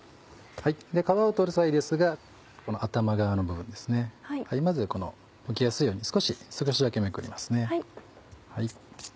皮を取る際ですがこの頭側の部分ですねまずむきやすいように少しだけめくりますね。